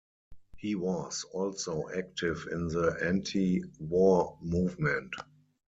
He was also active in the anti-war movement.